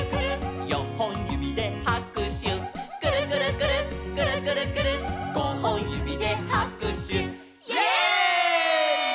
「よんほんゆびではくしゅ」「くるくるくるっくるくるくるっ」「ごほんゆびではくしゅ」イエイ！